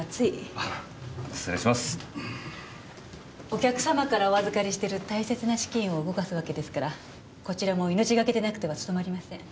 お客様からお預かりしてる大切な資金を動かすわけですからこちらも命がけでなくては務まりません。